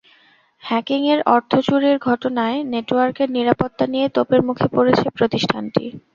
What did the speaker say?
হ্যাকিংয়ে অর্থ চুরির ঘটনায় নেটওয়ার্কের নিরাপত্তা নিয়ে তোপের মুখে পড়েছে প্রতিষ্ঠানটি।